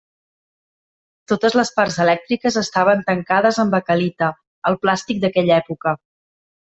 Totes les parts elèctriques estaven tancades en baquelita, el plàstic d'aquella època.